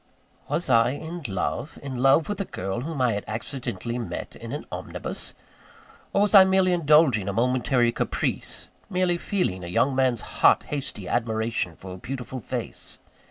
Was I in love? in love with a girl whom I had accidentally met in an omnibus? Or, was I merely indulging a momentary caprice merely feeling a young man's hot, hasty admiration for a beautiful face?